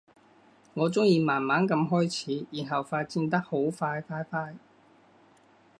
我鍾意慢慢噉開始，然後發展得好快快快